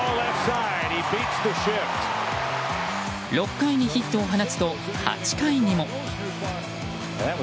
６回にヒットを放つと８回にも。